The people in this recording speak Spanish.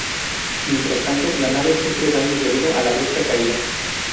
Mientras tanto, la nave sufre daños debido a la brusca caída.